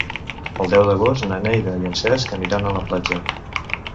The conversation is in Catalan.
El deu d'agost na Neida i en Cesc aniran a la platja.